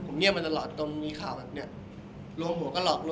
คือใครครับใครพูดครับใครพูดครับ